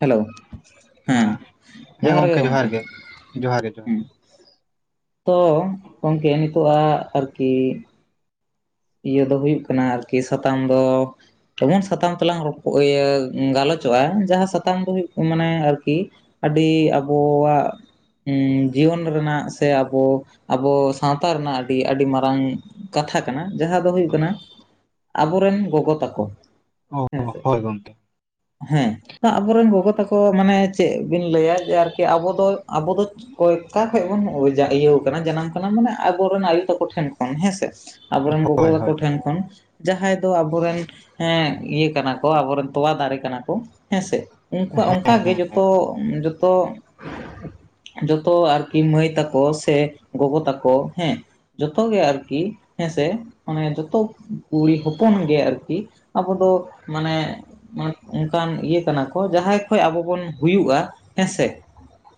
Hello ᱦᱮᱸ ᱡᱚᱦᱟᱨ ᱜᱮ ᱜᱚᱢᱠᱮ ᱾ ᱦᱩᱸ ᱡᱚᱦᱟᱨ ᱜᱮ ᱡᱚᱦᱟᱨ ᱦᱩᱸ, ᱜᱮ ᱛᱚ, ᱜᱚᱝᱠᱮ ᱱᱤᱛᱚᱜ-ᱟ ᱟᱨᱠᱤ ᱤᱭᱟᱹ ᱫᱚ ᱦᱩᱭᱩᱜ ᱠᱟᱱᱟ ᱟᱨᱠᱤ ᱥᱟᱛᱟᱢ ᱫᱚ ᱮᱢᱚᱱ ᱥᱟᱛᱟᱢ ᱛᱮᱞᱟᱝ ᱨᱚᱯ ᱤᱭᱟᱹ ᱜᱟᱞᱚᱪᱚᱜ-ᱟ ᱡᱟᱦᱟᱸ ᱥᱟᱛᱟᱢ ᱫᱚ ᱦᱩᱭᱩᱜ ᱢᱟᱱᱮ ᱟᱨᱠᱤ ᱟᱹᱰᱤ ᱟᱵᱚᱣᱟᱜ ᱩᱸᱻ ᱡᱤᱭᱚᱱ ᱨᱮᱱᱟᱜ ᱥᱮ ᱟᱵᱚ ᱟᱵᱚ ᱥᱟᱶᱛᱟ ᱨᱮᱱᱟᱜ ᱟᱹᱰᱤ ᱟᱹᱰᱤ ᱢᱟᱨᱟᱝ ᱠᱟᱛᱷᱟ ᱠᱟᱱᱟ᱾ ᱡᱟᱦᱟᱸ ᱫᱚ ᱦᱩᱭᱩᱜ ᱠᱟᱱᱟ ᱟᱵᱚᱨᱮᱱ ᱜᱚᱜᱚ ᱛᱟᱠᱚ ᱚ ᱦᱮᱸ ᱥᱮ᱾ ᱦᱳᱭ ᱜᱚᱝᱠᱮ ᱦᱮᱸ᱾ ᱟᱵᱚᱨᱮᱱ ᱜᱚᱜᱚ ᱛᱟᱠᱚ ᱢᱟᱱᱮ ᱪᱮᱫ ᱵᱤᱱ ᱞᱟᱹᱭᱟ ᱡᱮ ᱟᱨᱠᱤ ᱟᱵᱚ ᱫᱚ ᱟᱵᱚ ᱫᱚ ᱠᱚᱭᱛᱟ ᱠᱷᱚᱡ ᱵᱚᱱ ᱡᱟ ᱤᱭᱟᱹᱣ ᱠᱟᱱᱟ ᱡᱟᱱᱟᱢ ᱠᱟᱱᱟ ᱢᱟᱱᱮ ᱟᱵᱚᱨᱮᱱ ᱟᱭᱳ ᱛᱟᱠᱚ ᱴᱷᱮᱱ ᱠᱷᱚᱱ ᱦᱮᱸ ᱥᱮ᱾ ᱟᱵᱚᱨᱮᱱ ᱜᱚᱜᱚ ᱦᱳᱭ ᱛᱟᱠᱚ ᱦᱳᱭ ᱴᱷᱮᱱ ᱠᱷᱚᱱ᱾ ᱡᱟᱦᱟᱸᱭ ᱫᱚ ᱟᱵᱚᱨᱮᱱ ᱦᱮᱸ ᱤᱭᱟᱹ ᱠᱟᱱᱟ ᱠᱚ, ᱟᱵᱚᱨᱮᱱ ᱛᱚᱣᱟ ᱫᱟᱨᱮ ᱠᱟᱱᱟ ᱠᱚ ᱦᱮᱸ ᱥᱮ᱾ ᱩᱝᱠᱩᱣᱟᱜ ᱚᱝᱠᱟ ᱦᱮᱸ ᱜᱮ ᱦᱮᱸ ᱦᱮᱸ ᱡᱚᱛᱚ ᱡᱚᱛᱚ ᱡᱚᱛᱚ ᱟᱨᱠᱤ ᱢᱟᱹᱭ ᱛᱟᱠᱚ ᱥᱮ ᱜᱚᱜᱚ ᱛᱟᱠᱚ ᱦᱮᱸ᱾ ᱡᱚᱛᱚ ᱜᱮ ᱟᱨᱠᱤ᱾ ᱦᱮᱸ ᱥᱮ ᱢᱟᱱᱮ ᱡᱚᱛᱚ ᱠᱩᱲᱤ ᱦᱚᱯᱚᱱ ᱜᱮ ᱟᱨᱠᱤ ᱟᱵᱚ ᱫᱚ ᱢᱟᱱᱮ ᱢᱟᱱᱮ ᱚᱝᱠᱟᱱ ᱤᱭᱟᱹ ᱠᱟᱱᱟ ᱠᱚ ᱡᱟᱦᱟᱸᱭ ᱠᱷᱚᱡ ᱟᱵᱚ ᱵᱚᱱ ᱦᱩᱭᱩᱜ-ᱟ ᱦᱮᱸ ᱥᱮ᱾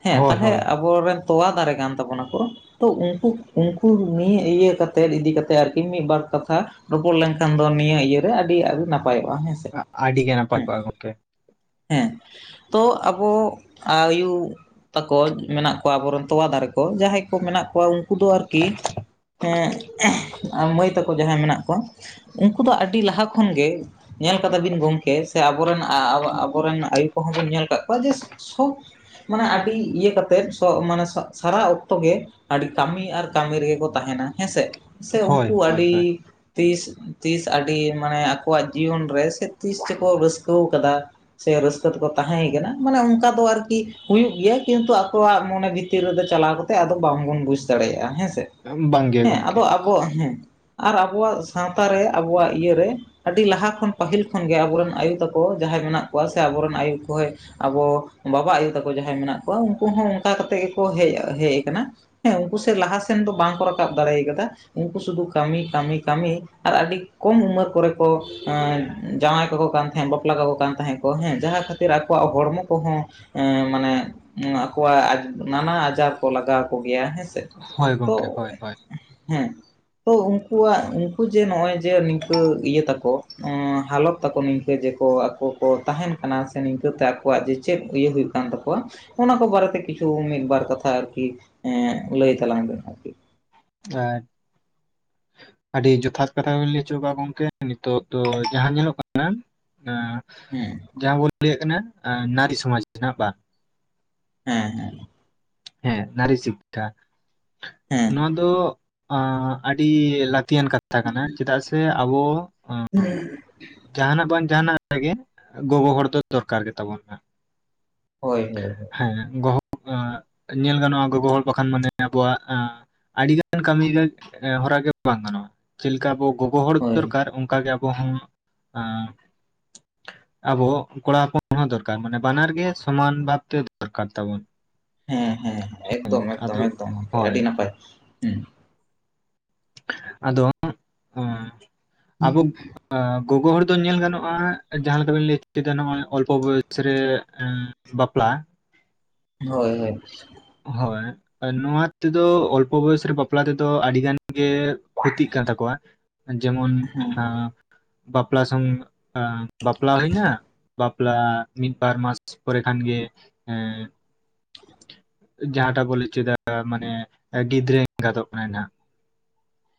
ᱦᱮᱸ ᱦᱳᱭ ᱛᱟᱞᱦᱮ ᱦᱳᱭ ᱦᱳᱭ, ᱟᱵᱚᱨᱮᱱ ᱛᱚᱣᱟ ᱫᱟᱨᱮ ᱠᱟᱱ ᱛᱟᱵᱚᱱᱟᱠᱚ ᱛᱚ, ᱩᱝᱠᱩ ᱩᱝᱠᱩ ᱱᱤᱭᱟᱹ ᱤᱭᱟᱹ ᱠᱟᱛᱮᱫ ᱤᱫᱤ ᱠᱟᱛᱮᱫ ᱟᱨᱠᱤ ᱢᱤᱫ ᱵᱟᱨ ᱠᱟᱛᱷᱟ ᱨᱚᱯᱚᱲ ᱞᱮᱱᱠᱷᱟᱱ ᱫᱚ ᱱᱤᱭᱟᱹ ᱤᱭᱟᱹ ᱨᱮ ᱟᱹᱰᱤ ᱟᱹᱰᱤ ᱱᱟᱯᱟᱭᱚᱜ-ᱟ ᱦᱮᱸ ᱥᱮ᱾ ᱟᱹᱰᱤ ᱜᱮ ᱱᱟᱯᱟᱭ ᱠᱚᱜ-ᱟ ᱜᱚᱝᱠᱮ᱾ ᱦᱮᱸ ᱛᱚ ᱟᱵᱚ ᱟᱭᱩ ᱛᱟᱠᱚ ᱢᱮᱱᱟᱜ ᱠᱚᱣᱟ ᱟᱵᱚᱨᱮᱱ ᱛᱚᱣᱟ ᱫᱟᱨᱮ ᱠᱚ ᱡᱟᱦᱟᱸᱭ ᱠᱚ ᱢᱮᱱᱟᱜ ᱠᱚᱣᱟ ᱩᱝ ᱠᱩ ᱫᱚ ᱟᱨᱠᱤ ᱦᱮᱸ ᱟ ᱢᱟᱹᱭ ᱛᱟᱠᱚ ᱡᱟᱦᱟᱸᱭ ᱢᱮᱱᱟᱜ ᱠᱚᱣᱟ, ᱩᱝᱠᱩ ᱫᱚ ᱟᱹᱰᱤ ᱞᱟᱦᱟ ᱠᱷᱚᱱᱜᱮ ᱧᱮᱞ ᱠᱟᱫᱟ ᱵᱤᱱ ᱜᱚᱝᱠᱮ ᱥᱮ ᱟᱵᱚᱨᱮᱱ ᱟ ᱟᱵᱚᱨᱮᱱ ᱟᱭᱩ ᱠᱚᱦᱚᱸ ᱵᱤᱱ ᱧᱮᱞ ᱠᱟᱜ ᱠᱚᱣᱟ ᱡᱮ ᱥᱚ ᱢᱟᱱᱮ ᱟᱹᱰᱤ ᱤᱭᱟᱹ ᱠᱟᱛᱮᱫ ᱥᱚᱜ ᱢᱟᱱᱮ ᱥᱟ ᱥᱟᱨᱟ ᱚᱠᱛᱚ ᱜᱮ ᱟᱹᱰᱤ ᱠᱟᱹᱢᱤ ᱟᱨ ᱠᱟᱹᱢᱤ ᱨᱮᱜᱮ ᱠᱚ ᱛᱟᱸᱦᱮᱱᱟ ᱦᱮᱸ ᱥᱮ᱾ ᱥᱮ ᱦᱳᱭ ᱩᱝᱠᱩ ᱦᱳᱭ ᱦᱳᱭ ᱟᱹᱰᱤ ᱛᱤᱥ ᱛᱤᱥ ᱟᱹᱰᱤ ᱢᱟᱱᱮ ᱟᱠᱚᱣᱟᱜ ᱡᱤᱭᱚᱱ ᱨᱮ ᱥᱮ ᱛᱤᱥ ᱪᱚᱠᱚ ᱨᱟᱹᱥᱠᱟᱹᱣ ᱠᱟᱫᱟ᱾ ᱥᱮ ᱨᱟᱹᱥᱠᱟᱹ ᱛᱮᱠᱚ ᱛᱟᱦᱮᱸᱭ ᱠᱟᱱᱟ᱾ ᱢᱟᱱᱮ ᱚᱱᱠᱟ ᱫᱚ ᱟᱨᱠᱤ ᱦᱩᱭᱩᱜ ᱜᱮᱭᱟ ᱠᱤᱱᱛᱩ ᱟᱠᱚᱣᱟᱜ ᱢᱚᱱᱮ ᱵᱷᱤᱛᱤᱨ ᱨᱮᱫᱚ ᱪᱟᱞᱟᱣ ᱠᱟᱛᱮᱜ ᱟᱫᱚ ᱵᱟᱝᱵᱚᱱ ᱵᱩᱡ ᱫᱟᱲᱮᱭᱟᱜ-ᱟ ᱦᱮᱸ ᱥᱮ᱾ ᱵᱟᱝᱜᱮ ᱦᱮᱸ ᱜᱚᱝᱠᱮ ᱟᱫᱚ ᱟᱵᱚ ᱦᱮᱸ ᱟᱨ ᱟᱵᱚᱣᱟᱜ ᱥᱟᱶᱛᱟ ᱨᱮ, ᱟᱵᱚᱣᱟᱜ ᱤᱭᱟᱹᱨᱮ ᱟᱹᱰᱤ ᱞᱟᱦᱟ ᱠᱷᱚᱱ ᱯᱟᱹᱦᱤᱞ ᱠᱷᱚᱱᱜᱮ ᱟᱵᱚᱨᱮᱱ ᱟᱭᱳ ᱛᱟᱠᱚ ᱡᱟᱦᱟᱸᱭ ᱢᱮᱱᱟᱜ ᱠᱚᱣᱟ᱾ ᱥᱮ ᱟᱵᱚᱨᱮᱱ ᱟᱭᱳ ᱠᱚ ᱦᱳᱭ ᱟᱵᱚ ᱵᱟᱵᱟ ᱟᱭᱳ ᱛᱟᱠᱚ ᱡᱟᱦᱟᱸᱭ ᱢᱮᱱᱟᱜ ᱠᱚᱣᱟ ᱩᱝᱠᱩ ᱦᱚᱸ ᱚᱝᱠᱟ ᱠᱟᱛᱮᱜ ᱜᱮᱠᱚ ᱦᱮᱜ ᱦᱮᱜ ᱠᱟᱱᱟ᱾ ᱦᱮᱸ ᱩᱝᱠᱩ ᱥᱮ ᱞᱟᱦᱟ ᱥᱮᱱ ᱫᱚ ᱵᱟᱝᱠᱚ ᱨᱟᱠᱟᱵ ᱫᱟᱲᱮᱭ ᱠᱟᱫᱟ᱾ ᱩᱝᱠᱩ ᱥᱩᱫᱩ ᱠᱟᱹᱢᱤ ᱠᱟᱹᱢᱤ ᱠᱟᱹᱢᱤ᱾ ᱟᱨ ᱟᱹᱰᱤ ᱠᱚᱢ ᱩᱢᱮᱹᱨ ᱠᱚᱨᱮ ᱠᱚ ᱮᱸᱻ ᱡᱟᱶᱟᱭ ᱠᱟᱠᱚ ᱠᱟᱱ ᱛᱟᱦᱮᱸᱜ, ᱵᱟᱯᱞᱟ ᱠᱟᱠᱚ ᱠᱟᱱ ᱛᱟᱦᱮᱸᱜ ᱠᱚ ᱦᱮᱸ᱾ ᱡᱟᱦᱟᱸ ᱠᱷᱟᱹᱛᱤᱨ ᱟᱠᱚᱣᱟᱜ ᱦᱚᱲᱢᱚ ᱠᱚᱦᱚᱸ ᱮᱸᱻ ᱢᱟᱱᱮ ᱟᱠᱚᱣᱟᱜ ᱱᱟᱱᱟ ᱟᱡᱟᱨ ᱠᱚ ᱞᱟᱜᱟᱣ ᱠᱚ ᱜᱮᱭᱟ ᱦᱮᱸ ᱥᱮ᱾ ᱦᱳᱭ ᱛᱚ ᱜᱚᱝᱠᱮ ᱦᱳᱭ ᱦᱳᱭ ᱦᱩᱸ᱾ ᱛᱚ ᱩᱝᱠᱩᱣᱟᱜ ᱩᱝᱠᱩ ᱡᱮ ᱱᱚᱜ-ᱚᱭ ᱡᱮ ᱱᱤᱝᱠᱟᱹ ᱤᱭᱟᱹ ᱛᱟᱠᱚ, ᱮᱸᱻ ᱦᱟᱞᱚᱛ ᱛᱟᱠᱚ ᱱᱤᱝᱠᱟᱹ ᱡᱮᱠᱚ ᱟᱠᱚ ᱠᱚ ᱛᱟᱦᱮᱱ ᱠᱟᱱᱟ᱾ ᱥᱮ ᱱᱤᱝᱠᱟᱹᱛᱮ ᱟᱠᱚᱣᱟᱜ ᱡᱮ ᱪᱮᱫ ᱤᱭᱟᱹ ᱦᱩᱭᱩᱜ ᱠᱟᱱ ᱛᱟᱠᱚᱣᱟ᱾ ᱚᱱᱟ ᱠᱚ ᱵᱟᱨᱮᱛᱮ ᱠᱤᱪᱷᱩ ᱢᱤᱫᱵᱟᱨ ᱠᱟᱛᱷᱟ ᱟᱨᱠᱤ ᱞᱟᱹᱭ ᱛᱟᱞᱟᱝ ᱵᱮᱱ ᱟᱨᱠᱤ᱾ [unintelligible] ᱟᱹᱰᱤ ᱡᱚᱛᱷᱟᱛ ᱠᱟᱛᱷᱟ ᱜᱮᱵᱤᱱ ᱞᱟᱹᱭ ᱦᱚᱪᱚ ᱠᱟᱜ-ᱟ ᱜᱚᱝᱠᱮ, ᱱᱤᱛᱚᱜ ᱫᱚ ᱡᱟᱦᱟᱸ ᱧᱮᱞᱚᱜ ᱠᱟᱱᱟ ᱦᱮᱸ᱾ ᱦᱩᱸ᱾ ᱡᱟᱦᱟᱸ ᱵᱚᱱ ᱞᱟᱹᱭᱟᱜ ᱠᱟᱱᱟ ᱱᱟᱨᱤ ᱥᱚᱢᱟᱡᱽ ᱨᱮᱱᱟᱜ ᱵᱟᱝ᱾ ᱦᱮᱸ ᱦᱮᱸ ᱾ ᱦᱮᱸ ᱱᱟᱨᱤ ᱥᱤᱠᱠᱷᱟ ᱾ ᱦᱮᱸ [inaudible] ᱱᱚᱣᱟ ᱫᱚᱻ ᱟᱸ ᱟᱹᱰᱤ ᱞᱟᱹᱛᱤᱭᱟᱱ ᱠᱟᱛᱷᱟ ᱠᱟᱱᱟ, ᱪᱮᱫᱟᱜ ᱥᱮ ᱟᱵᱚ [inaudible] ᱡᱟᱦᱟᱸᱱᱟᱜ ᱵᱟᱝ ᱡᱟᱦᱟᱸᱱᱟᱜ ᱨᱮᱜᱮ ᱜᱚᱜᱚ ᱦᱚᱲ ᱫᱚ ᱫᱚᱨᱠᱟᱨ ᱜᱮ ᱛᱟᱵᱚᱱ ᱦᱟᱜ ᱾ ᱦᱳᱭ ᱦᱳᱭ ᱦᱳᱭ ᱾ ᱜᱚᱦᱚ ᱟᱸ ᱧᱮᱞ ᱜᱟᱱᱚᱜ-ᱟ ᱜᱚᱜᱚ ᱦᱚᱲ ᱵᱟᱠᱷᱟᱱ ᱢᱟᱱᱮ ᱟᱵᱚᱣᱟᱜ ᱟᱹᱰᱤᱜᱟᱱ ᱠᱟᱹᱢᱤ ᱜᱮ, ᱦᱚᱨᱟ ᱜᱮ ᱵᱟᱝ ᱜᱟᱱᱚᱜ-ᱟ᱾ ᱪᱮᱜ ᱞᱮᱠᱟ ᱟᱵᱚ ᱜᱚᱜᱚ ᱦᱚᱲ ᱦᱳᱭ ᱫᱚᱨᱠᱟᱨ ᱚᱝᱠᱟ ᱜᱮ ᱟ ᱵᱚ ᱦᱚᱸ ᱟᱸ ᱟᱵᱚ ᱦᱚ ᱠᱚᱲᱟ ᱦᱚᱯᱚᱱ ᱦᱚᱸ ᱫᱚᱨᱠᱟᱨ, ᱢᱟᱱᱮ ᱵᱟᱱᱟᱨ ᱜᱮ ᱥᱚᱢᱟᱱ ᱵᱷᱟᱵᱛᱮ ᱫᱚᱨᱠᱟᱨ ᱛᱟᱵᱚᱱ᱾ ᱦᱮᱸ ᱦᱮᱸ ᱦᱮᱸ ᱮᱠᱫᱚᱢ ᱟᱫᱚ ᱮᱠᱫᱚᱢ ᱮᱠᱫᱚᱢ ᱦᱳᱭ ᱟᱹᱰᱤ ᱱᱟᱯᱟᱭ ᱾ [inaudible] ᱦᱩᱸ᱾ ᱟᱫᱚ ᱚᱸ [inaudible] ᱟᱵᱚ ᱜᱚᱜᱚ ᱦᱚᱲ ᱫᱚ ᱧᱮᱞ ᱜᱟᱱᱚᱜ-ᱟ, ᱡᱟᱦᱟᱸ ᱞᱮᱠᱟᱵᱮᱱ ᱞᱟᱹᱭ ᱦᱚᱪᱚᱭ ᱮᱫᱟ ᱱᱚᱜᱚᱭ ᱚᱞᱯᱚ ᱵᱚᱭᱮᱥ ᱨᱮ ᱵᱟᱯᱞᱟ᱾ [inaudible] ᱦᱳᱭ ᱦᱳᱭ ᱾ ᱦᱳᱭ ᱾ ᱱᱚᱣᱟ ᱛᱮᱫᱚ ᱚᱞᱯᱚ ᱵᱚᱭᱚᱥ ᱨᱮ ᱵᱟᱯᱞᱟ ᱨᱮᱫᱚ ᱟᱹᱰᱤ ᱜᱟᱱ ᱜᱮ ᱠᱷᱚᱛᱤᱜ ᱠᱟᱱ ᱛᱟᱠᱚᱣᱟ᱾ ᱡᱮᱢᱚᱱ ᱦᱮᱸ ᱟ ᱵᱟᱯᱞᱟ ᱥᱚᱝ ᱟ ᱵᱟᱯᱞᱟ ᱦᱩᱭ ᱮᱱᱟ᱾ ᱵᱟᱯ ᱞᱟ ᱢᱤᱫ ᱵᱟᱨ ᱢᱟᱥ ᱯᱚᱨᱮ ᱠᱷᱟᱱ ᱜᱮ ᱮᱸ ᱡᱟᱦᱟᱸᱴᱟᱜ ᱵᱚ ᱞᱟᱹᱭ ᱚᱪᱚᱭ ᱮᱫᱟ ᱢᱟᱱᱮ ᱜᱤᱫᱽᱨᱟᱹ ᱮᱸᱜᱟᱛᱚᱜ ᱠᱟᱱᱟᱭ ᱱᱟᱜ᱾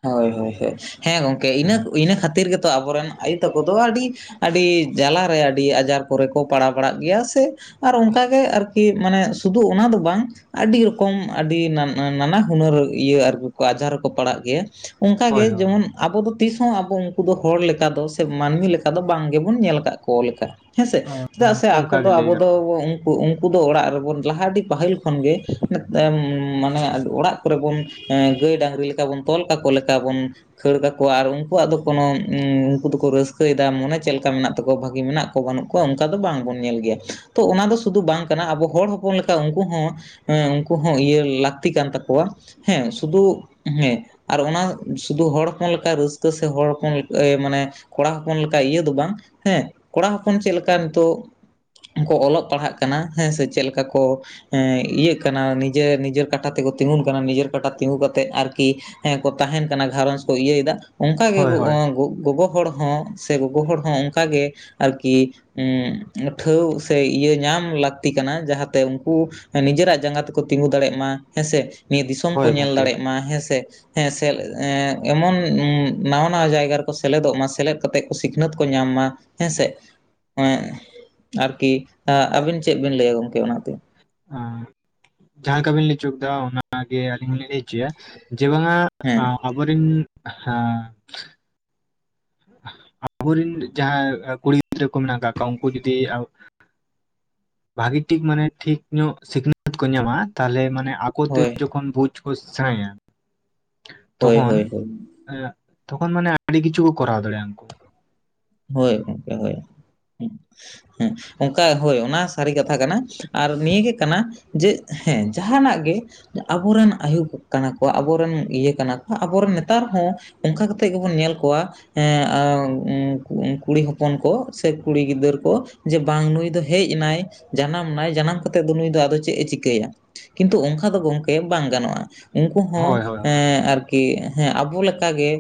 ᱦᱳᱭ ᱦᱳᱭ ᱦᱳᱭ ᱾ ᱦᱮᱸ ᱜᱚᱝᱠᱮ ᱤᱱᱟᱹ ᱦᱮᱸ ᱤᱱᱟᱹ ᱠᱷᱟᱹᱛᱤᱨ ᱜᱮᱛᱚ ᱟᱵᱚᱨᱮᱱ ᱟᱭᱳ ᱛᱟᱠᱚ ᱫᱚ ᱟᱹᱰᱤ ᱟᱹᱰᱤ ᱡᱟᱞᱟ ᱨᱮ, ᱟᱹᱰᱤ ᱟᱡᱟᱨ ᱠᱚᱨᱮ ᱠᱚ ᱯᱟᱲᱟᱣ ᱵᱟᱲᱟᱜ ᱜᱮᱭᱟ ᱥᱮ ᱟᱨ ᱚᱱᱠᱟᱜᱮ ᱟᱨᱠᱤ ᱢᱟᱱᱮ ᱥᱩᱫᱩ ᱚᱱᱟ ᱫᱚ ᱵᱟᱝ ᱟᱹᱰᱤ ᱨᱚᱠᱚᱢ ᱟᱹᱰᱤ ᱱᱟᱱᱟ ᱦᱩᱱᱟᱹᱨ ᱤᱭᱟᱹ ᱟᱨ ᱟᱡᱟᱨ ᱨᱮᱠᱚ ᱯᱟᱲᱟᱜ ᱜᱮᱭᱟ ᱾ ᱚᱱᱠᱟ ᱜᱮ ᱦᱳᱭ ᱦᱳᱭ ᱡᱮᱢᱚᱱ ᱟᱵᱚ ᱫᱚ ᱛᱤᱥᱦᱚᱸ ᱟᱵᱚ ᱩᱱᱠᱩ ᱫᱚ ᱦᱚᱲ ᱞᱮᱠᱟ ᱫᱚ ᱥᱮ ᱢᱟᱹᱱᱢᱤ ᱞᱮᱠᱟ ᱫᱚ ᱵᱟᱝ ᱜᱮᱵᱚᱱ ᱧᱮᱞ ᱟᱠᱟᱫ ᱠᱚ ᱞᱮᱠᱟ ᱾ ᱦᱮᱸᱥᱮ ᱾ ᱪᱮᱫᱟᱜ ᱥᱮ ᱟᱠᱚ ᱚᱱᱠᱟ ᱫᱚ ᱜᱮ ᱞᱟᱹᱭ ᱟᱵᱚ ᱫᱚ ᱜᱟᱱᱚᱜᱼᱟ ᱩᱱᱠᱩ ᱫᱚ ᱚᱲᱟᱜ ᱨᱮᱵᱚᱱ ᱞᱟᱦᱟ ᱟᱹᱰᱤ ᱯᱟᱹᱦᱤᱞ ᱠᱷᱚᱱ ᱜᱮ ᱢᱟᱱᱮ ᱚᱲᱟᱜ ᱠᱚᱨᱮ ᱵᱚᱱ ᱜᱟᱹᱭ ᱰᱟᱝᱨᱤ ᱞᱮᱠᱟ ᱵᱚᱱ ᱛᱚᱞ ᱠᱟᱠᱚ ᱞᱮᱠᱟ ᱵᱚᱱ ᱠᱷᱟᱹᱲ ᱠᱟᱠᱚᱣᱟ ᱾ ᱟᱨ ᱩᱱᱠᱩᱣᱟᱜ ᱫᱚ ᱠᱳᱱᱳ ᱩᱱᱠᱩ ᱫᱚᱠᱚ ᱨᱟᱹᱥᱠᱟᱹᱭᱮᱫᱟ ᱢᱚᱱᱮ ᱪᱮᱫ ᱞᱮᱠᱟ ᱢᱮᱱᱟᱜ ᱛᱟᱠᱚᱣᱟ ᱵᱷᱟᱹᱜᱤ ᱢᱮᱱᱟᱜ ᱵᱟᱹᱱᱩᱜ ᱠᱚᱣᱟ ᱚᱱᱠᱟ ᱫᱚ ᱵᱟᱝᱵᱚᱱ ᱧᱮᱞ ᱜᱮᱭᱟ ᱾ ᱛᱚ ᱚᱱᱟ ᱫᱚ ᱥᱩᱫᱩ ᱵᱟᱝ ᱠᱟᱱᱟ ᱟᱵᱚ ᱦᱚᱲ ᱦᱚᱯᱚᱱ ᱞᱮᱠᱟ ᱩᱱᱠᱩ ᱦᱚᱸ ᱦᱮᱸ ᱩᱱᱠᱩ ᱦᱚᱸ ᱤᱭᱟᱹ ᱞᱟᱹᱠᱛᱤ ᱠᱟᱱ ᱛᱟᱠᱚᱣᱟ ᱾ ᱦᱮᱸ ᱥᱩᱫᱩ ᱦᱮᱸ ᱟᱨ ᱚᱱᱟ ᱥᱩᱫᱩ ᱦᱚᱲ ᱦᱚᱯᱚᱱ ᱞᱮᱠᱟ ᱨᱟᱹᱥᱠᱟᱹ ᱥᱮ ᱦᱚᱲ ᱦᱚᱯᱚᱱ ᱢᱟᱱᱮ ᱠᱚᱲᱟ ᱦᱚᱯᱚᱱ ᱞᱮᱠᱟ ᱤᱭᱟᱹ ᱫᱚ ᱵᱟᱝ ᱦᱮᱸ ᱾ ᱠᱚᱲᱟ ᱦᱚᱯᱚᱱ ᱪᱮᱫ ᱞᱮᱠᱟ ᱱᱤᱛᱚᱜ ᱠᱚ ᱚᱞᱚᱜ ᱯᱟᱲᱦᱟᱜ ᱠᱟᱱᱟ ᱦᱮᱸ ᱥᱮ, ᱪᱮᱫ ᱞᱮᱠᱟ ᱠᱚ ᱮᱜ ᱤᱭᱟᱹᱜ ᱠᱟᱱᱟ ᱱᱤᱡᱮᱨ ᱱᱤᱡᱮᱨ ᱠᱟᱴᱟ ᱛᱮᱠᱚ ᱛᱤᱸᱜᱩᱱ ᱠᱟᱱᱟ, ᱱᱤᱡᱮᱨ ᱠᱟᱴᱟ ᱛᱤᱸᱜᱩ ᱠᱟᱛᱮᱜ ᱟᱨᱠᱤ ᱦᱮᱸ ᱠᱚ ᱛᱟᱦᱮᱱ ᱠᱟᱱᱟ ᱜᱷᱟᱨᱚᱸᱡᱽ ᱠᱚ ᱤᱭᱟᱹᱭᱮᱫᱟ, ᱚᱱᱠᱟ ᱜᱮ ᱦᱳᱭ ᱦᱳᱭ ᱜᱚᱜᱚ ᱦᱚᱲ ᱦᱚᱸ ᱥᱮ ᱜᱚᱜᱚ ᱦᱚᱲ ᱦᱚᱸ ᱚᱱᱠᱟ ᱜᱮ ᱟᱨᱠᱤ ᱦᱩᱸ ᱾ ᱴᱷᱟᱹᱣ ᱥᱮ ᱤᱭᱟᱹ ᱧᱟᱢ ᱞᱟᱹᱠᱛᱤ ᱠᱟᱱᱟ ᱡᱟᱦᱟᱸᱛᱮ ᱩᱱᱠᱩ ᱱᱤᱡᱮᱨᱟᱜ ᱡᱟᱸᱜᱟ ᱛᱮᱠᱚ ᱛᱤᱸᱜᱩ ᱫᱟᱲᱮᱭᱟᱜ ᱢᱟ ᱦᱮᱸ ᱥᱮ ᱾ ᱱᱤᱭᱟᱹ ᱫᱤᱥᱚᱢ ᱠᱚ ᱦᱳᱭ ᱧᱮᱞ ᱜᱚᱝᱠᱮ ᱫᱟᱲᱮᱭᱟᱜ ᱢᱟ ᱦᱮᱸ ᱥᱮ ᱾ ᱦᱮᱸ ᱥᱮ ᱮᱢᱚᱱ ᱱᱟᱣᱟ ᱱᱟᱣᱟ ᱡᱟᱭᱜᱟ ᱨᱮᱠᱚ ᱥᱮᱞᱮᱫᱚᱜ ᱢᱟ ᱥᱮᱞᱮᱫ ᱠᱟᱛᱮᱜ ᱠᱚ ᱥᱤᱠᱷᱱᱟᱹᱛ ᱠᱚ ᱧᱟᱢ ᱢᱟ ᱾ ᱦᱮᱸᱥᱮ ᱾ ᱮᱸ ᱟᱨᱠᱤ ᱟᱹᱵᱤᱱ ᱪᱮᱫ ᱵᱤᱱ ᱞᱟᱹᱭᱟ ᱜᱚᱝᱠᱮ ᱚᱱᱟᱛᱮ? ᱟᱸ [inaudible] ᱡᱟᱦᱟᱸ ᱞᱮᱠᱟᱵᱤᱱ ᱞᱟᱹᱭᱪᱚ ᱮᱫᱟ ᱚᱱᱟᱜᱮ ᱟᱹᱞᱤᱧ ᱦᱚᱞᱤᱧ ᱞᱟᱹᱭ ᱦᱚᱪᱚᱭᱟ ᱡᱮ ᱵᱟᱝᱟ ᱦᱮᱸ ᱟᱵᱚᱨᱤᱱ [inaudible] ᱦᱮᱸ ᱟᱵᱚᱨᱮᱱ ᱡᱟᱦᱟᱸᱭ ᱠᱩᱲᱤ ᱜᱤᱫᱽᱨᱟᱹ ᱠᱚ ᱢᱮᱱᱟᱜ ᱠᱟᱜ ᱠᱚᱣᱟ ᱩᱱᱠᱩ ᱡᱩᱚᱫᱤ ᱟᱵ ᱵᱷᱟᱜᱤ ᱴᱷᱤᱠ ᱢᱟᱱᱮ ᱴᱷᱤᱠ ᱧᱚᱜ ᱥᱤᱠᱷᱱᱟᱹᱛ ᱠᱚ ᱧᱟᱢᱟ ᱛᱟᱦᱚᱞᱮ ᱢᱟᱱᱮ ᱟᱯ ᱠᱚᱛᱮ ᱦᱳᱭ ᱡᱚᱠᱷᱚᱱ ᱵᱷᱩᱡᱽ ᱠᱚ ᱥᱮᱬᱟᱭᱟ ᱦᱳᱭ ᱛᱚᱠᱷᱚᱱ ᱦᱳᱭ ᱦᱳᱭ ᱮᱜ ᱛᱚᱠᱷᱚᱱ ᱢᱟᱱᱮ ᱟᱹᱰᱤ ᱠᱤᱪᱷᱩ ᱠᱚ ᱠᱚᱨᱟᱣ ᱫᱟᱲᱮᱭᱟᱜᱼᱟ ᱩᱱᱠᱩ᱾ ᱦᱳᱭ ᱜᱚᱝᱠᱮ ᱦᱳᱭ ᱚᱱᱠᱟ ᱦᱳᱭ ᱚᱱᱟ ᱥᱟᱹᱨᱤ ᱠᱟᱛᱷᱟ ᱠᱟᱱᱟ᱾ ᱟᱨ ᱱᱤᱭᱟᱹ ᱜᱮ ᱠᱟᱱᱟ ᱡᱮ ᱦᱮᱸ ᱡᱟᱦᱟᱱᱟᱜ ᱜᱮ ᱟᱵᱚᱨᱮᱱ ᱟᱭᱳ ᱠᱟᱱᱟ ᱠᱚ ᱟᱵᱚᱨᱮᱱ ᱤᱭᱟᱹ ᱠᱟᱱᱟ ᱠᱚ ᱟᱵᱚᱨᱮᱱ ᱱᱮᱛᱟᱨ ᱦᱚᱸ ᱚᱱᱠᱟ ᱠᱟᱛᱮᱜ ᱜᱮᱵᱚᱱ ᱧᱮᱞ ᱠᱚᱣᱟ ᱦᱮᱸ ᱟᱣ ᱩᱸ ᱠᱩᱲᱤ ᱦᱚᱯᱚᱱ ᱠᱚ ᱥᱮ ᱠᱩᱲᱤ ᱜᱤᱫᱟᱹᱨ ᱠᱚ ᱡᱮ ᱵᱟᱝ ᱱᱩᱭ ᱫᱚ ᱦᱮᱡ ᱮᱱᱟᱭ ᱡᱟᱱᱟᱢ ᱱᱟᱭ ᱡᱟᱱᱟᱢ ᱠᱟᱛᱮᱫ ᱫᱚ ᱱᱩᱭ ᱫᱚ ᱟᱫᱚ ᱪᱮᱫ ᱮ ᱪᱤᱠᱟᱹᱭᱟ ᱠᱤᱱᱛᱩ ᱚᱱᱠᱟ ᱫᱚ ᱜᱚᱝᱠᱮ ᱵᱟᱝ ᱜᱟᱱᱚᱜᱼᱟ᱾ ᱩᱱᱠᱩ ᱦᱚᱸ ᱦᱳᱭ ᱦᱳᱭ ᱦᱳᱭ ᱮᱸ ᱟᱨᱠᱤ ᱠᱤ ᱦᱮᱸ ᱟᱵᱚ ᱞᱮᱠ ᱜᱮᱸ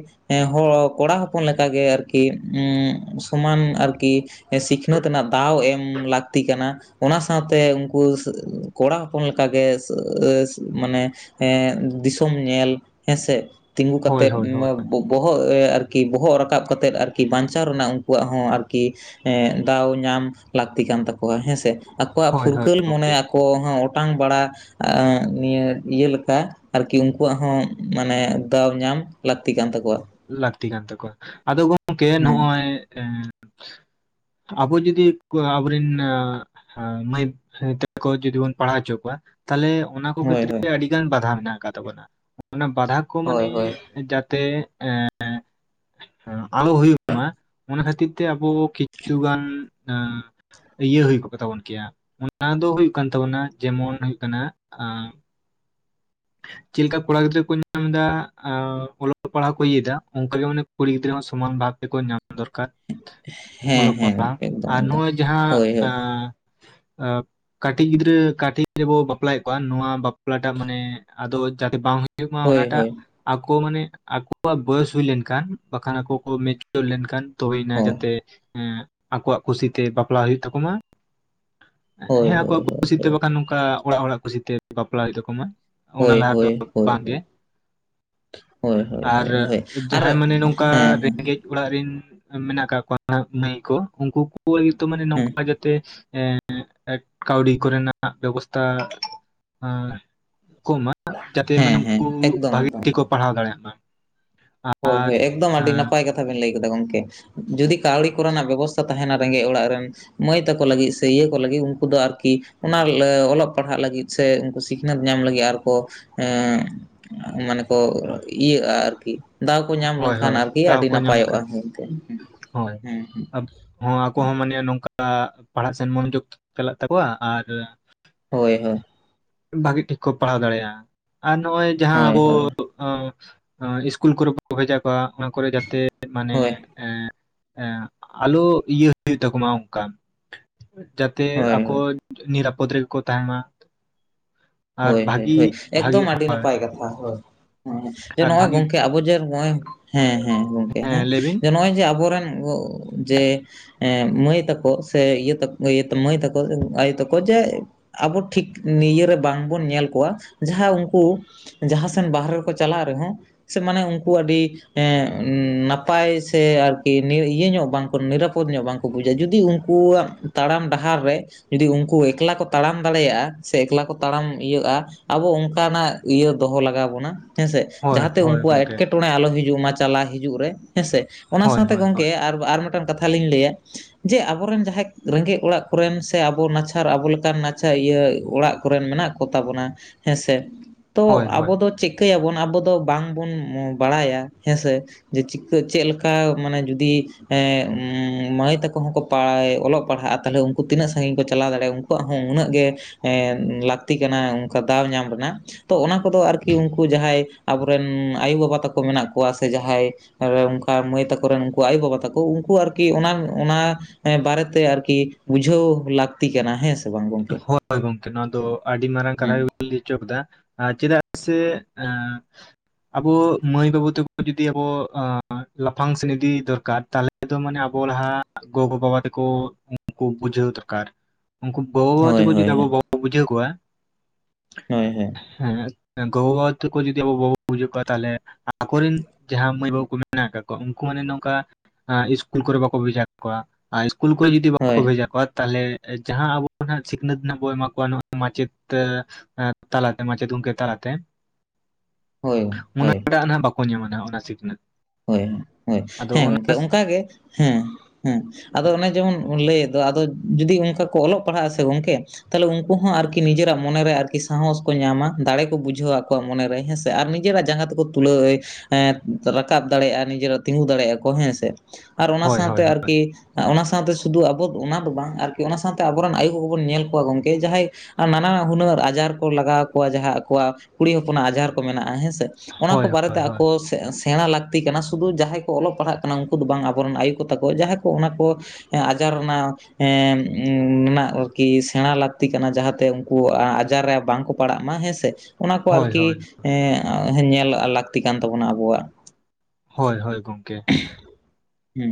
ᱦᱚᱲ ᱠᱚᱲᱟ ᱦᱚᱯᱚᱱ ᱞᱮᱠᱟᱜ ᱜᱮ ᱟᱨᱠᱤ ᱩᱸ ᱥᱚᱢᱟᱱ ᱟᱨᱠᱤ ᱥᱤᱠᱷᱱᱟᱹᱛ ᱨᱮᱱᱟᱜ ᱫᱟᱣ ᱮᱢ ᱞᱟᱹᱠᱛᱤ ᱠᱟᱱᱟ᱾ ᱚᱱᱟ ᱥᱟᱶᱛᱮ ᱩᱱᱠᱩ ᱠᱚᱲᱟ ᱦᱚᱯᱚᱱ ᱞᱮᱠᱟ ᱜᱮ ᱢᱟᱱᱮ ᱮᱸ ᱫᱤᱥᱚᱢ ᱧᱮᱞ ᱦᱮᱸᱥᱮ ᱛᱤᱸᱜᱩ ᱦᱳᱭ ᱠᱟᱛᱮᱫ ᱦᱳᱭ ᱦᱳᱭ ᱵᱚᱦᱚᱜ ᱟᱨᱠᱤ ᱵᱚᱦᱚᱜ ᱨᱟᱠᱟᱵ ᱠᱟᱛᱮᱫ ᱟᱨᱠᱤ ᱠᱤ ᱵᱟᱧᱪᱟᱣ ᱨᱮᱱᱟᱜ ᱩᱱᱠᱩᱣᱟᱜ ᱦᱚᱸ ᱟᱨᱠᱤ ᱮ ᱫᱟᱣ ᱧᱟᱢ ᱞᱟᱹᱠᱛᱤ ᱠᱟᱱ ᱛᱟᱠᱚᱣᱟ ᱦᱮᱸᱥᱮ᱾ ᱟᱠᱚᱣᱟᱜ ᱦᱳᱭ ᱦᱳᱭ ᱯᱷᱩᱨᱜᱟᱹᱞ ᱢᱚᱱᱮ ᱜᱚᱝᱠᱮ ᱟᱠᱚ ᱦᱚᱸ ᱚᱴᱟᱝ ᱵᱟᱲᱟ ᱱᱤᱭᱟᱹ ᱤᱭᱟᱹ ᱞᱮᱠᱟ ᱟᱨᱠᱤ ᱩᱱᱠᱩᱣᱟᱜ ᱦᱚᱸ ᱢᱟᱱᱮ ᱫᱟᱣ ᱧᱟᱢ ᱞᱟᱹᱠᱛᱤ ᱠᱟᱱ ᱛᱟᱠᱚᱣᱟ ᱞᱟᱹᱠᱛᱤ ᱠᱟᱱ ᱛᱟᱠᱚᱣᱟ ᱟᱫᱚ ᱜᱚᱝᱠᱮ ᱦᱮᱸ ᱱᱚᱜᱼᱚᱭ ᱮ ᱟᱵᱚ ᱡᱩᱫᱤ ᱠᱚ ᱟᱵᱚᱨᱮᱱ ᱟ ᱦᱟᱸ ᱢᱟᱹᱭ ᱛᱚᱠᱚ ᱡᱩᱫᱤ ᱵᱚᱱ ᱯᱟᱲᱦᱟᱣ ᱪᱚ ᱠᱚᱣᱟ ᱛᱟᱦᱚᱞᱮ ᱚᱱᱟ ᱠᱚ ᱦᱳᱭ ᱠᱷᱟᱛᱤᱨ ᱦᱳᱭ ᱜᱮ ᱟᱹᱰᱤ ᱜᱟᱱ ᱵᱟᱫᱷᱟ ᱢᱮᱱᱟᱜ ᱠᱟᱫ ᱛᱟᱵᱚᱱᱟ ᱚᱱᱟ ᱵᱟᱫᱷᱟ ᱠᱩ ᱢᱟᱱᱮ ᱦᱳᱭ ᱦᱳᱭ ᱡᱟᱛᱮ ᱮ ᱮ ᱟᱞᱚ ᱦᱩᱭᱩᱜ ᱢᱟ ᱚᱱᱟ ᱠᱷᱟᱹᱛᱤᱨ ᱛᱮ ᱟᱵᱚ ᱠᱤᱪᱷᱩ ᱜᱟᱱ ᱟᱸ ᱤᱭᱟᱹ ᱦᱩᱭ ᱠᱚᱜ ᱛᱟᱵᱚᱱ ᱠᱮᱭᱟ ᱚᱱᱟ ᱫᱚ ᱦᱩᱭᱩᱜ ᱠᱟᱱ ᱛᱟᱵᱚᱱᱟ ᱡᱮᱢᱚᱱ ᱦᱩᱭᱩᱜ ᱠᱟᱱᱟ ᱟ ᱪᱮᱫ ᱞᱮᱠᱟ ᱠᱚᱲᱟ ᱜᱤᱫᱽᱨᱟᱹ ᱠᱚ ᱧᱟᱢ ᱫᱟ ᱚᱞᱚᱜ ᱯᱟᱲᱦᱟᱜ ᱠᱚ ᱤᱭᱟᱹᱭᱫᱟ ᱚᱱᱠᱟᱜᱮ ᱢᱟᱱᱮ ᱠᱩᱲᱤ ᱜᱤᱫᱽᱨᱟᱹ ᱦᱚᱸ ᱥᱚᱢᱟᱱ ᱵᱷᱟᱜ ᱛᱮᱠᱚ ᱧᱟᱢ ᱫᱚᱨᱠᱟᱨ᱾ ᱦᱮᱸ ᱚᱞᱚᱜ ᱦᱮᱸ ᱯᱟᱲᱦᱟᱜ ᱜᱚᱝᱠᱮ ᱮᱠᱫᱚᱢ ᱟᱨ ᱮᱠᱫᱚᱢ ᱱᱚᱜᱚᱭ ᱡᱟᱦᱟᱸ ᱦᱳᱭ ᱦᱳᱭ ᱟᱸ ᱠᱟᱹᱴᱤᱡ ᱜᱤᱫᱽᱨᱟᱹ ᱠᱟᱹᱴᱤᱡ ᱨᱮᱵᱚ ᱵᱟᱯᱞᱟᱭᱮᱫ ᱠᱚᱣᱟ ᱱᱚᱣᱟ ᱵᱟᱯᱞᱟᱴᱟᱜ ᱢᱟᱱᱮ ᱟᱫᱚ ᱡᱟᱛᱮ ᱵᱟᱝ ᱦᱩᱭᱩᱜ ᱢᱟ ᱦᱳᱭ ᱚᱱᱟᱴᱟᱜ ᱦᱳᱭ ᱟᱠᱚ ᱢᱟᱱᱮ ᱟᱠᱚᱣᱟᱜ ᱵᱚᱭᱚᱥ ᱦᱩᱭ ᱞᱮᱱᱠᱷᱟᱱ ᱵᱟᱠᱷᱟᱱ ᱟᱠᱚ ᱠᱚ ᱢᱮᱪᱩᱨ ᱞᱮᱱᱠᱷᱟᱱ ᱛᱚ ᱦᱩᱭᱱᱟ ᱡᱟᱛᱮ ᱮᱸ ᱟᱠᱚᱣᱟᱜ ᱠᱩᱥᱤᱛᱮ ᱵᱟᱯᱞᱟ ᱦᱩᱭᱩᱜ ᱛᱟᱠᱚ ᱢᱟ ᱦᱳᱭ ᱦᱮᱸ ᱦᱳᱭ ᱦᱳᱭ ᱟᱠᱚᱣᱟᱜ ᱠᱩᱥᱤᱛᱮ ᱵᱟᱠᱷᱟᱱ ᱱᱚᱝᱠᱟ ᱚᱲᱟᱜ ᱦᱚᱲᱟᱜ ᱠᱩᱥᱤᱛᱮ ᱵᱟᱯᱞᱟ ᱦᱩᱭᱩᱜ ᱛᱟᱠᱚᱢᱟ ᱚᱱᱟ ᱦᱳᱭ ᱦᱳᱭ ᱦᱳᱭ ᱦᱳᱭ ᱞᱟᱦᱟ ᱫᱚ ᱵᱟᱝ ᱜᱮ ᱦᱳᱭ ᱦᱳᱭ ᱟᱨ ᱦᱳᱭ ᱦᱳᱭ ᱟᱨ ᱡᱟᱦᱟᱸᱭ ᱢᱟᱱᱮ ᱱᱚᱝᱠᱟ ᱦᱮᱸ ᱦᱮᱸ ᱨᱮᱸᱜᱮᱡ ᱚᱲᱟᱜ ᱨᱤᱱ ᱢᱮᱱᱟᱜ ᱠᱟᱜ ᱠᱚᱣᱟ ᱢᱟᱹᱭ ᱠᱚ ᱩᱱᱠᱩ ᱠᱚᱭ ᱛᱚ ᱢᱟᱱᱮ ᱦᱮᱸ ᱱᱚᱝᱠᱟ ᱡᱮ ᱛᱮ ᱮᱸ ᱠᱟᱹᱣᱰᱤ ᱠᱚᱨᱮᱱᱟᱜ ᱵᱮᱵᱚᱥᱛᱟ ᱟᱸ ᱠᱚ ᱢᱟ ᱡᱟᱛᱮ ᱢᱟᱱᱮ ᱦᱮᱸ ᱦᱮᱸ ᱩᱱᱠᱩ ᱮᱠᱫᱚᱢ ᱵᱷᱟᱜᱤ ᱮᱠᱫᱚᱢ ᱛᱮᱠᱚ ᱯᱟᱲᱦᱟᱣ ᱫᱟᱲᱮᱭᱟᱜ ᱢᱟ᱾ ᱦᱳᱭ ᱦᱳᱭ ᱮᱠᱫᱚᱢ ᱟᱹᱰᱤ ᱱᱟᱯᱟᱭ ᱠᱟᱛᱷᱟ ᱵᱮᱱ ᱞᱟᱹᱭ ᱠᱮᱫᱟ ᱜᱚᱝᱠᱮ ᱡᱩᱫᱤ ᱠᱟᱹᱣᱲᱤ ᱠᱚᱨᱮᱱᱟᱜ ᱵᱮᱵᱚᱥᱛᱷᱟ ᱛᱟᱦᱮᱱᱟ ᱨᱮᱸᱜᱮᱡ ᱚᱲᱟᱜ ᱨᱮᱱ ᱢᱟᱹᱭ ᱛᱟᱠᱚ ᱞᱟᱹᱜᱤᱜ ᱥᱮ ᱤᱭᱟᱹ ᱠᱚ ᱞᱟᱹᱜᱤ ᱩᱱᱠᱩ ᱫᱚ ᱟᱨᱠᱤ ᱚᱱᱟ ᱞᱮ ᱚᱞᱚᱜ ᱯᱟᱲᱦᱟᱜ ᱞᱟᱹᱜᱤᱫ ᱥᱮ ᱥᱤᱠᱷᱱᱟᱹᱛ ᱧᱟᱢ ᱞᱟᱹᱜᱤᱜ ᱟᱨ ᱠᱚ ᱮᱜ ᱢᱟᱱᱮ ᱠᱚ ᱤᱭᱟᱹᱜᱼᱟ ᱟᱨ ᱠᱤ ᱦᱳᱭ ᱦᱳᱭ ᱫᱟᱣ ᱠᱚ ᱧᱟᱢ ᱠᱮᱠᱷᱟᱱ ᱢᱮᱱᱛᱮ ᱦᱳᱭ ᱦᱮᱸ ᱟᱵ ᱦᱚᱸ ᱟᱠᱚ ᱦᱚᱸ ᱢᱟᱱᱮ ᱱᱚᱝᱠᱟ ᱯᱟᱲᱦᱟᱜ ᱥᱮᱱ ᱢᱚᱱᱚᱡᱳᱜ ᱪᱟᱞᱟᱜ ᱛᱟᱠᱚᱣᱟ ᱟᱨ, ᱦᱳᱭ ᱦᱳᱭ, ᱵᱷᱟᱜᱤ ᱴᱷᱤᱠ ᱠᱚ ᱯᱟᱲᱦᱟᱣ ᱫᱟᱲᱮᱭᱟ ᱟᱨ ᱱᱚᱜᱼᱚᱭ ᱡᱟᱦᱟᱸ ᱦᱳᱭ ᱟᱵᱚ ᱦᱳᱭ ᱚᱸ ᱟᱸ ᱤᱥᱠᱩᱞ ᱠᱚᱨᱮ ᱵᱷᱮᱡᱟ ᱠᱚᱣᱟ ᱚᱱᱟ ᱠᱚᱨᱮ ᱡᱟᱛᱮ ᱢᱟᱱᱮ, ᱦᱳᱭ ᱮᱸ ᱮᱸ ᱟᱞᱳ ᱤᱭᱟᱹ [inaudible] ᱛᱟᱠᱚᱢᱟ ᱚᱱᱠᱟ᱾ ᱡᱟᱛᱮ ᱦᱳᱭ ᱟᱠᱚ ᱦᱳᱭ ᱱᱤᱨᱟᱯᱚᱫ ᱨᱮᱜᱮ ᱠᱚ ᱛᱟᱦᱮᱱ ᱢᱟ᱾ ᱟᱨ ᱦᱳᱭ ᱦᱳᱭ ᱵᱷᱟᱜᱤ ᱦᱳᱭ ᱵᱷᱟᱜᱤ ᱮᱠᱫᱚᱢ ᱟᱹᱰᱤ ᱱᱟᱯᱟᱭ ᱠᱟᱛᱷᱟ ᱦᱳᱭ [unintelligible] ᱡᱮ ᱟᱨ ᱱᱚᱜᱼᱚᱭ ᱵᱷᱟᱜᱤ ᱜᱚᱝᱠᱮ ᱟᱵᱚ ᱡᱮ [unintelligible] ᱦᱮᱸ ᱦᱮᱸ ᱜᱚᱝᱠᱮ ᱦᱮᱸ ᱡᱮ ᱱᱚᱜᱼᱚᱭ ᱡᱮ ᱟᱵᱚᱨᱮᱱ ᱜᱚ ᱡᱮ, ᱮᱸ ᱢᱟᱹᱭ ᱛᱟᱠᱚ ᱥᱮ ᱤᱭᱟᱹ ᱛᱟᱠ ᱤᱭᱟᱹᱛᱮ ᱢᱟᱹᱭ ᱛᱟᱠᱚ ᱟᱭᱳ ᱛᱟᱠᱚ ᱡᱟᱮ ᱟᱵᱚ ᱴᱷᱤᱠ ᱱᱤᱭᱟᱹ ᱨᱮ ᱵᱟᱝᱵᱚᱱ ᱧᱮᱞ ᱠᱚᱣᱟ ᱡᱟᱦᱟᱸ ᱩᱱᱠᱩ, ᱡᱟᱦᱟᱸ ᱥᱮᱱ ᱵᱟᱦᱟᱨᱮ ᱨᱮᱠᱚ ᱪᱟᱞᱟᱜ ᱨᱮᱦᱚᱸ ᱥᱮ ᱢᱟᱱᱮ ᱩᱱᱠᱩ ᱟᱹᱰᱤ, ᱦᱮᱸᱜ ᱱᱟᱯᱟᱭ ᱥᱮ ᱟᱨᱠᱤ ᱱᱤᱭᱟ. ᱤᱭᱟᱹ ᱧᱚᱜ ᱵᱟᱝ ᱱᱤᱨᱟᱯᱚᱫ ᱧᱚᱜ ᱵᱟᱝ ᱠᱚ ᱵᱩᱡᱟ ᱡᱩᱫᱤ ᱩᱱᱠᱩᱣᱟᱜ ᱛᱟᱲᱟᱢ ᱰᱟᱦᱟᱨ ᱨᱮ, ᱡᱩᱫᱤ ᱩᱱᱠᱩ ᱮᱠᱞᱟ ᱠᱚ ᱛᱟᱲᱟᱢ ᱫᱟᱲᱮᱭᱟᱜ-ᱟ ᱥᱮ ᱮᱠᱞᱟ ᱠᱚ ᱛᱟᱲᱟᱢ ᱤᱭᱟᱹᱟ ᱟᱵᱚ ᱚᱱᱠᱟᱱᱟᱜ ᱤᱭᱟᱹ ᱫᱚᱦᱚ ᱞᱟᱜᱟᱣ ᱵᱚᱱᱟ ᱦᱮᱸᱥᱮ ᱦᱳᱭ ᱡᱟᱦᱟᱸᱛᱮ ᱦᱳᱭ ᱩᱱᱠᱩᱣᱟᱜ ᱜᱚᱝᱠᱮ ᱮᱴᱠᱮ ᱴᱚᱬᱮ ᱟᱞᱚ ᱦᱤᱡᱩᱜ ᱢᱟ ᱪᱟᱞᱟ ᱦᱤᱡᱩᱜ ᱨᱮ ᱦᱮᱸᱥᱮ ᱚᱱᱟ ᱦᱳᱭ ᱥᱟᱶᱛᱮ ᱦᱳᱭ ᱦᱳᱭ ᱜᱚᱝᱠᱮ ᱟᱨ ᱟᱨ ᱢᱮᱫᱴᱮᱱ ᱠᱟᱛᱷᱟ ᱞᱤᱧ ᱞᱟᱹᱭᱟ᱾ ᱡᱮ ᱟᱵᱚᱨᱮᱱ ᱡᱟᱦᱟᱸᱭ ᱨᱮᱸᱜᱮᱡ ᱚᱲᱟᱜ ᱠᱚᱨᱮᱱ ᱥᱮ ᱟᱵᱚ ᱱᱟᱪᱷᱟᱨ ᱟᱵᱚ ᱞᱮᱠᱟᱱ ᱱᱟᱪᱷᱟ ᱤᱭᱟᱹ ᱚᱲᱟᱜ ᱠᱚᱨᱮᱱ ᱢᱮᱱᱟᱜ ᱠᱚ ᱛᱟᱵᱚᱱᱟ ᱦᱮᱸᱥᱮ ᱛᱚ ᱦᱳᱭ ᱦᱳᱭ ᱟᱵᱚ ᱫᱚ ᱪᱮᱜ ᱠᱟᱹᱭᱟᱵᱚᱱ ᱟᱵᱚ ᱫᱚ ᱵᱟᱝᱵᱚᱱ ᱵᱟᱲᱟᱭᱟ ᱦᱮᱸᱥᱮ᱾ ᱡᱮ ᱪᱤᱠᱟᱹ ᱪᱮ ᱞᱮᱠᱟ ᱢᱟᱱᱮ ᱡᱩᱫᱤ, ᱮᱸ ᱩᱢ ᱢᱟᱹᱭ ᱛᱟᱹᱠᱚ ᱦᱚᱸᱠᱚ ᱯᱟᱭ ᱚᱞᱚᱜ ᱯᱟᱲᱦᱟᱜᱼᱟ ᱛᱟᱦᱞᱮ ᱩᱱᱠᱩ ᱛᱤᱱᱟᱹᱜ ᱥᱟᱺᱜᱤᱧ ᱠᱚ ᱪᱟᱞᱟᱣ ᱫᱟᱲᱮᱭᱟᱜᱼᱟ ᱩᱱ ᱠᱚᱣᱟᱜ ᱦᱚᱸ ᱩᱱᱟᱹᱜ ᱜᱮ ᱮᱸ ᱞᱟᱠᱛᱤ ᱠᱟᱱᱟ ᱚᱱᱠᱟ ᱫᱟᱣ ᱧᱟᱢ ᱨᱮᱱᱟᱜ᱾ ᱛᱚ ᱚᱱᱟ ᱠᱚᱫᱚ ᱟᱨᱠᱤ ᱩᱱᱠᱩ ᱡᱟᱦᱟᱸᱭ ᱟᱵᱚᱨᱮᱱ ᱟᱭᱩ ᱵᱟᱵᱟ ᱛᱟᱠᱚ ᱢᱮᱱᱟᱜ ᱠᱚᱣᱟ ᱥᱮ ᱡᱟᱦᱟᱸᱭ, ᱟᱨᱮ ᱚᱱᱠᱟ ᱢᱟᱹᱭ ᱛᱟᱠᱚ ᱨᱮᱱ ᱩᱱᱠᱩ ᱟᱭᱩ ᱵᱟᱵᱟ ᱛᱟᱠᱚ ᱩᱱᱠᱩ ᱟᱨᱠᱤ ᱚᱱᱟ ᱚᱱᱟ, ᱦᱮᱸ ᱵᱟᱨᱮᱛᱮ ᱟᱨᱠᱤ ᱵᱩᱡᱷᱟᱹᱣ ᱞᱟᱠᱛᱤ ᱠᱟᱱᱟ ᱦᱮᱸ ᱥᱮ ᱵᱟᱝ ᱜᱚᱝᱠᱮ? ᱦᱳᱭ ᱜᱚᱝᱠᱮ ᱱᱚᱣᱟ ᱫᱚ ᱟᱹᱰᱤ ᱢᱟᱨᱟᱝ ᱠᱟᱛᱷᱟ ᱦᱩᱸ ᱜᱮ ᱵᱮᱱ ᱞᱮᱹ ᱦᱚᱪᱚ ᱠᱮᱫᱟ ᱪᱮᱫᱟᱜ ᱥᱮ ᱮᱸ, ᱟᱵᱚ ᱢᱟᱹᱭ ᱵᱟᱹᱵᱩ [inaudible] ᱡᱩᱫᱤ ᱟᱵᱚ ᱟᱸ ᱞᱟᱯᱷᱟᱝ ᱥᱮᱜ ᱤᱫᱤ ᱫᱚᱨᱠᱟᱨ ᱛᱟᱦᱞᱮ, ᱫᱚ ᱢᱟᱱᱮ ᱟᱵᱚ ᱞᱟᱦᱟ ᱜᱚᱜᱚ ᱵᱟᱵᱟ ᱛᱟᱠᱚ ᱩᱱᱠᱩ ᱵᱩᱡᱷᱟᱹᱣ ᱫᱚᱨᱠᱟᱨ ᱩᱱᱠᱩ, ᱜᱚᱜᱚ ᱵᱟᱵᱟ ᱦᱳᱭ ᱛᱟᱹᱠᱚ ᱡᱩᱫᱤ ᱦᱳᱭ ᱟᱵᱚ ᱦᱳᱭ [inaudible] ᱵᱩᱡᱷᱟᱹᱣ ᱠᱚᱣᱟ᱾ ᱦᱮᱸ ᱦᱮᱸ, ᱦᱮᱸ ᱜᱚᱜᱚ ᱵᱟᱵᱟ ᱛᱟᱹᱠᱩ ᱡᱩᱫᱤ ᱟᱵᱚ ᱵᱟᱵᱚ ᱵᱩᱡᱷᱟᱹ ᱠᱚᱣᱟ ᱛᱟᱦᱞᱮ, ᱟᱠᱚᱨᱮᱱ ᱡᱟᱦᱟᱸ ᱢᱟᱹᱭ ᱵᱟᱹᱵᱩ ᱠᱚ ᱢᱮᱱᱟᱜ ᱟᱠᱟᱫ ᱠᱚᱣᱟ ᱩᱱᱠᱩ ᱢᱟᱱᱮ ᱱᱚᱝᱠᱟ ᱤᱥᱠᱩᱞ ᱠᱚᱨᱮ ᱵᱟᱠᱚ ᱵᱷᱮᱡᱟ ᱟᱨ ᱠᱩᱞ ᱠᱚᱨᱮ ᱡᱩᱫᱤ ᱵᱟᱠᱚ ᱦᱳᱭ ᱵᱷᱮᱡᱟ ᱠᱚᱣᱟ ᱛᱟᱦᱞᱮ ᱡᱟᱦᱟᱸ ᱟᱵᱚ, ᱱᱟᱦᱟᱜ ᱥᱤᱠᱷᱱᱟᱹᱛ ᱨᱮᱱᱟᱜ ᱵᱚᱭ ᱮᱢᱟ ᱠᱚᱣᱟ ᱢᱟᱪᱮᱫ ᱛᱮ ᱛᱟᱞᱟᱛᱮ ᱢᱟᱪᱮᱫ ᱜᱚᱝᱠᱮ ᱛᱟᱞᱟᱛᱮ᱾ [inaudible] ᱦᱳᱭ [inaudible] ᱵᱟᱠᱚ ᱧᱟᱢᱟ ᱱᱟᱜ ᱚᱱᱟ ᱥᱤᱠᱷᱱᱟᱹᱛ᱾ ᱦᱳᱭ ᱦᱳᱭ ᱟᱫᱚ ᱦᱮᱸ ᱚᱱᱟ ᱜᱚᱝᱠᱮ ᱚᱱᱠᱟᱜ ᱜᱮ ᱦᱮᱸ᱾ ᱦᱮᱸ ᱟᱫᱚ ᱚᱱᱮ ᱡᱮᱢᱚᱱ ᱞᱟᱹᱭ ᱫᱚ ᱟᱫᱚ ᱡᱩᱫᱤ ᱚᱱᱠᱟ ᱠᱚ ᱚᱞᱚᱜ ᱯᱟᱲᱦᱟᱜᱼᱟ ᱥᱮ ᱜᱚᱝᱠᱮ, ᱛᱟᱦᱞᱮ ᱩᱱᱠᱩ ᱦᱚᱸ ᱟᱨᱠᱤ ᱱᱤᱡᱮᱨᱟᱜ ᱢᱚᱱᱮᱨᱮ ᱟᱨᱠᱤ ᱥᱟᱦᱚᱥ ᱠᱚ ᱧᱟᱢᱟ ᱫᱟᱲᱮ ᱠᱚ ᱵᱩᱡᱷᱟᱹᱣᱟ ᱟᱠᱚᱣᱟᱜ ᱢᱚᱱᱮᱨᱮ ᱦᱮᱸᱥ ᱟᱨ ᱱᱤᱡᱮᱨᱟᱜ ᱡᱟᱸᱦᱟ ᱛᱮᱠᱚ ᱛᱩᱞᱟᱹᱣᱮ ᱮ ᱨᱟ ᱠᱟᱵ ᱫᱟᱲᱮᱭᱟᱜᱼᱟ ᱱᱤᱡᱮᱨᱟᱜ ᱛᱤᱸᱜᱩ ᱫᱟᱲᱮᱭᱟᱜᱼᱟ ᱠᱚ ᱦᱮᱸᱥᱮ ᱟᱨ ᱚᱱᱟ ᱦᱳᱭ ᱥᱟᱶ ᱦᱳᱭ ᱛᱮ ᱦᱳᱭ ᱟᱨᱠᱤ, ᱚᱱᱟ ᱥᱟᱶ ᱛᱮ ᱥᱩᱫᱷᱩ ᱟᱵᱚ ᱚᱱᱟ ᱫᱚ ᱵᱟᱝ ᱟᱨᱠᱤ ᱚᱱᱟ ᱥᱟᱶᱛᱮ ᱟᱵᱚᱨᱮᱱ ᱟᱭᱩ ᱠᱚᱵᱚᱱ ᱧᱮᱞ ᱠᱚᱣᱟ ᱜᱚᱢᱠᱮ ᱡᱟᱦᱟᱸᱭ, ᱟᱨ ᱱᱟᱱᱟ ᱦᱩᱱᱟᱹᱨ ᱟᱡᱟᱨ ᱠᱚ ᱞᱟᱜᱟᱣ ᱠᱚᱣᱟ ᱡᱟᱦᱟᱸ ᱟᱠᱚᱣᱟᱜ ᱠᱩᱲᱤ ᱦᱚᱯᱚᱱᱟᱜ ᱟᱡᱟᱨ ᱠᱚ ᱢᱮᱱᱟᱜᱼᱟ ᱦᱮᱸ ᱥᱮ᱾ ᱚᱱᱟ ᱠᱚ ᱦᱳᱭ ᱵᱟᱨᱮᱛᱮ ᱦᱳᱭ ᱦᱳᱭ ᱟᱠᱚ ᱥᱮ ᱥᱮᱬᱟ ᱞᱟᱹᱠᱛᱤ ᱠᱟᱱᱟ ᱥᱩᱫᱩ ᱡᱟᱦᱟᱸᱭ ᱠᱚ ᱚᱞᱚᱜ ᱯᱟᱲᱦᱟᱜ ᱠᱟᱱᱟ ᱩᱱᱠᱩ ᱫᱚ ᱵᱟᱝ ᱟᱵᱚᱨᱮᱱ ᱟᱭᱩ ᱠᱚ ᱛᱟᱠᱚ ᱡᱟᱦᱟᱸᱭ ᱠᱚ ᱚᱱᱟ ᱠᱚ ᱮᱸ ᱟᱡᱟᱨ ᱚᱱᱟ ᱦᱮᱸ ᱢᱮᱱᱟᱜ ᱟᱨᱠᱤ ᱥᱮᱬᱟ ᱞᱟᱹᱠᱛᱤ ᱠᱟᱱᱟ ᱡᱟᱦᱟᱸᱛᱮ ᱩᱱᱠᱩ ᱟ-ᱟᱡᱟᱨ ᱨᱮ ᱵᱟᱝᱠᱚ ᱯᱟᱲᱟᱜ ᱢᱟ ᱦᱮᱸᱥᱮ ᱚᱱᱟ ᱠᱚ ᱦᱳᱭ ᱟᱨᱠᱤ ᱦᱳᱭ ᱮᱸ ᱧᱮᱞ ᱞᱟᱹᱠᱛᱤ ᱠᱟᱱ ᱛᱟᱵᱚᱱᱟ ᱟᱵᱚᱣᱟᱜ᱾ ᱦᱳᱭ ᱦᱳᱭ ᱜᱚᱢᱠᱮ᱾ ᱦᱩᱸ᱾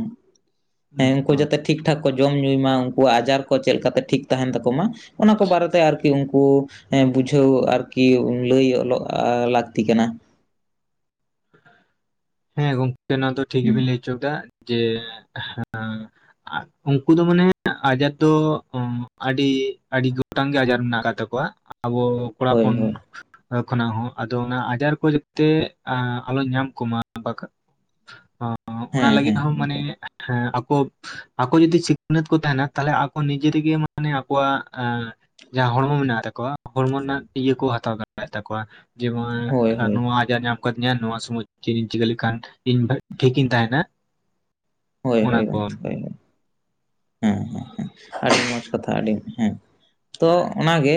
ᱦᱮᱸ ᱩᱱᱠᱩ ᱡᱟᱛᱮ ᱴᱷᱤᱠ ᱴᱷᱟᱠ ᱠᱚ ᱡᱚᱢ ᱧᱩᱭ ᱢᱟ, ᱩᱱᱠᱩᱣᱟᱜ ᱟᱡᱟᱨ ᱠᱚ ᱪᱮᱫ ᱞᱮᱠᱟᱛᱮ ᱴᱷᱤᱠ ᱛᱟᱦᱮᱱ ᱛᱟᱠᱚ ᱢᱟ ᱚᱱᱟ ᱠᱚ ᱵᱟᱨᱮᱛᱮ ᱟᱨᱠᱤ ᱠᱤ ᱩᱱᱠᱩ ᱮᱸ ᱵᱩᱡᱷᱟᱹᱣ ᱟᱨᱠᱤ ᱞᱟᱹᱭ ᱚᱞᱚᱜ ᱟ ᱞᱟᱹᱠᱛᱤ ᱠᱟᱱᱟ᱾ ᱦᱮᱸ ᱜᱚᱝᱠᱮ ᱱᱚᱣᱟ ᱫᱚ ᱴᱷᱤᱠ ᱜᱮᱵᱤᱱ ᱞᱟᱹᱭ ᱦᱚᱪᱚ ᱡᱮ ᱦᱟᱸ ᱩᱱᱠᱩ ᱫᱚ ᱢᱟᱱᱮ ᱟᱡᱟᱨ ᱫᱚ ᱚᱸ ᱟᱹᱰᱤ ᱟᱹᱰᱤ ᱜᱚᱴᱟᱝ ᱜᱮ ᱟᱡᱟᱨ ᱢᱮᱱᱟᱜ ᱟᱠᱟᱫ ᱛᱟᱠᱚᱣᱟ᱾ ᱟᱵᱚ ᱠᱚᱲᱟ ᱦᱳᱭ ᱦᱚᱯᱚᱱ ᱦᱳᱭ ᱠᱷᱚᱱᱟᱜ ᱦᱚᱸ ᱟᱫᱚ ᱚᱱᱟ ᱟᱡᱟᱨ ᱠᱚ ᱡᱟᱛᱮ ᱟᱸ ᱟᱞᱚᱧ ᱧᱟᱢ ᱠᱚᱢᱟ᱾ [unintelligible] ᱚᱱᱟ ᱦᱮᱸ ᱞᱟᱹᱜᱤᱫ ᱦᱮᱸ ᱦᱚᱸ ᱢᱟᱱᱮ ᱦᱮᱸ ᱟᱠᱚ ᱟᱠᱚ ᱡᱚᱫᱤ ᱥᱤᱠᱷᱱᱟᱹᱛ ᱠᱚ ᱛᱟᱦᱮᱱᱟ ᱛᱟᱦᱞᱮ ᱟᱠᱚ ᱱᱤᱡᱮᱜᱮ ᱢᱟᱱᱮ ᱟᱠᱚᱣᱟᱜ ᱟᱸ ᱡᱟᱦᱟᱸ ᱦᱚᱲᱢᱚ ᱢᱮᱱᱟᱜ ᱛᱟᱠᱚᱣᱟ ᱦᱚᱲᱢᱚ ᱨᱮᱱᱟᱜ ᱤᱭᱟᱹ ᱠᱚ ᱦᱟᱛᱟᱣ ᱫᱟᱲᱮᱭᱮᱜ ᱛᱟᱠᱚᱣᱟ ᱡᱮᱢᱚᱱ ᱦᱳᱭ ᱦᱳᱭ ᱱᱚᱣᱟ ᱟᱡᱟᱨ ᱧᱟᱢ ᱠᱟᱹᱫᱤᱧᱟ ᱱᱚᱣᱟ ᱥᱚᱢᱚᱭ ᱪᱮᱫ ᱤᱧ ᱪᱤᱠᱟᱹ ᱞᱮᱠᱷᱟᱱ ᱤᱧ ᱵᱷᱟ ᱴᱷᱤᱠᱤᱧ ᱛᱟᱦᱮᱱᱟ᱾ ᱦᱳᱭ ᱚᱱᱟ ᱦᱳᱭ ᱠᱚ ᱜᱚᱢᱠᱮ ᱦᱳᱭ ᱦᱳᱭ᱾ ᱦᱮᱸ ᱦᱮᱸ ᱦᱮᱸ ᱟᱹᱰᱤ ᱢᱚᱸᱡᱽ ᱠᱟᱛᱷᱟ ᱟᱹᱰᱤ ᱦᱮᱸ ᱛᱚ ᱚᱱᱟᱜᱮ